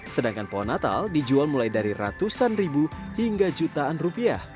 sedangkan pohon natal dijual mulai dari ratusan ribu hingga jutaan rupiah